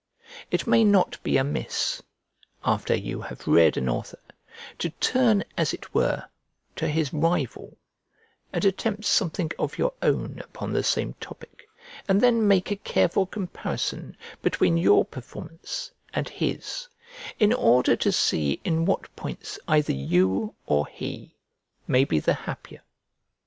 It may not be amiss, after you have read an author, to turn, as it were, to his rival, and attempt something ol your own upon the same topic, and then make a careful comparison between your performance and his, in order to see in what points either you or he may be the happier.